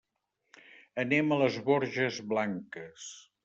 Anem a les Borges Blanques.